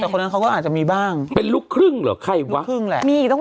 แต่คนนั้นเขาก็อาจจะมีบ้าง